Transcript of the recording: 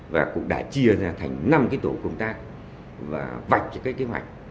và cũng đã chia ra thành năm tổ công tác và vạch những kế hoạch